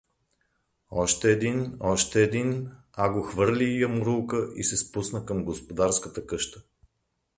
Още един… Още един… Аго хвърли ямурлука и се спусна към господарската къща.